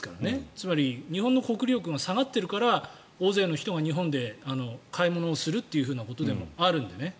つまり日本の国力が下がっているから大勢の人が日本で買い物をするということでもあるので。